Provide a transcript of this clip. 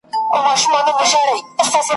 که هر څومره لږه ونډه ور رسیږي `